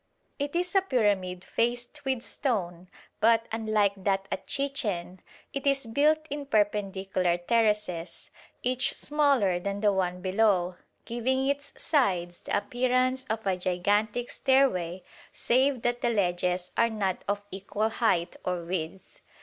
It is a pyramid faced with stone, but, unlike that at Chichen, it is built in perpendicular terraces, each smaller than the one below, giving its sides the appearance of a gigantic stairway, save that the ledges are not of equal height or width.